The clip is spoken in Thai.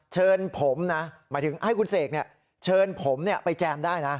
เชิญผมนะหมายถึงให้คุณเสกเชิญผมไปแจมได้นะ